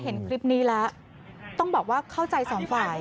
เห็นคลิปนี้แล้วต้องบอกว่าเข้าใจสองฝ่าย